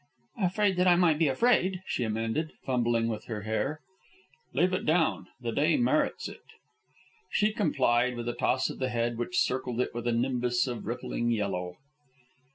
"Afraid that I might be afraid," she amended, fumbling with her hair. "Leave it down. The day merits it." She complied, with a toss of the head which circled it with a nimbus of rippling yellow.